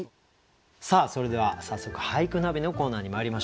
さあそれでは早速「俳句ナビ」のコーナーにまいりましょう。